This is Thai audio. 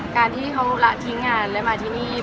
การที่เขาละทิ้งงานและมาที่นี่